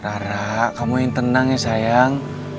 rara kamu yang tenang ya sayang